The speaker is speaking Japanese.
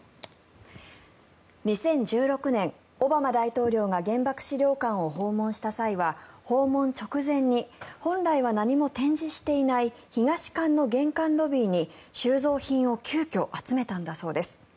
２０１６年、オバマ大統領が原爆資料館を訪問した際は訪問直前に本来は何も展示していない東館の玄関ロビーに収蔵品を急きょ集めたんだそうです。